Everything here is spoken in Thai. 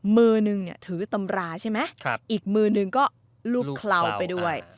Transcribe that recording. มือนึงเนี่ยถือตำราใช่ไหมอีกมือนึงก็รูปเคลาไปด้วย